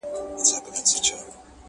دا د پنځو زرو کلونو کمالونو کیسې!